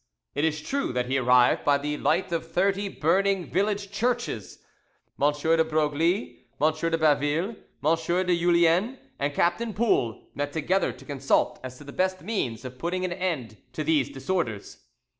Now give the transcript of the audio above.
It is true that he arrived by the light of thirty burning village churches. M de Broglie, M. de Baville, M. de Julien, and Captain Poul met together to consult as to the best means of putting an end to these disorders.